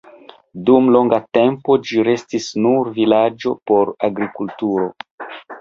Dum longa tempo ĝi restis nur vilaĝo por agrikulturo.